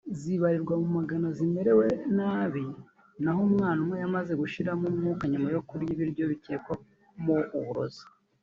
zibarirwa mu magana zimerewe nabi naho umwana umwe yamaze gushiramo umwuka nyuma yo kurya ibiryo bikekwamo uburozi